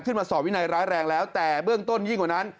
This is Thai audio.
สอบวินัยร้ายแรงแล้วแต่เบื้องต้นยิ่งกว่านั้น